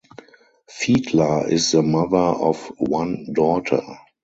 Fiedler is the mother of one daughter.